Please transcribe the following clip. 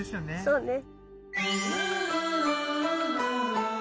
そうね。